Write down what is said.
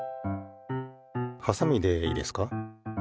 はさみでいいですか。